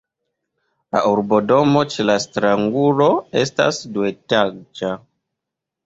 La urbodomo ĉe la stratangulo estas duetaĝa.